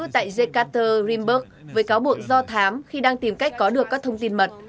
tại yekaterinburg với cáo buộc do thám khi đang tìm cách có được các thông tin mật